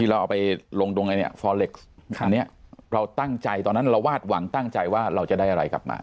เราเอาไปลงตรงไอ้เนี่ยฟอเล็กซ์อันนี้เราตั้งใจตอนนั้นเราวาดหวังตั้งใจว่าเราจะได้อะไรกลับมา